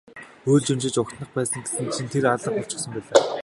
Уйлж унжиж угтах байх гэсэн чинь тэр алга болчихсон байлаа.